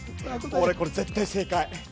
俺、これ絶対正解。